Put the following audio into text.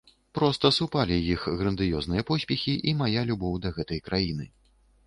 Проста супалі іх грандыёзныя поспехі і мая любоў да гэтай краіны.